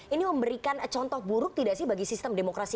ini memberikan contoh buruk tidak sih bagi sistem demokrasi